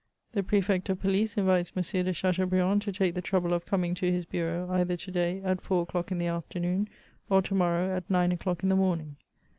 '< The Prefect of Police invites M. de Chateauhriand to take the trouble of coming to his bureau, either to day at four o'clock in the afternoon, or to morrow at nine o'dock in the morning.'